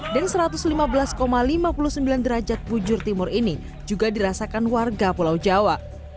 dari satu ratus lima belas lima puluh sembilan derajat bujur timur ini juga dirasakan warga pulau jawa